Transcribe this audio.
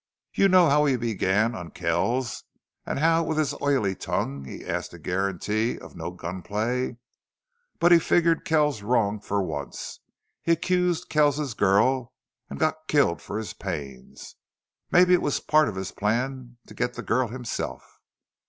You know how he began on Kells an' how with his oily tongue he asked a guarantee of no gun play. But he figgered Kells wrong for once. He accused Kells's girl an' got killed for his pains. Mebbe it was part of his plan to git the girl himself.